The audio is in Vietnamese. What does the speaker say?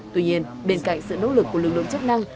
tuy nhiên bên cạnh sự nỗ lực của lực lượng chức năng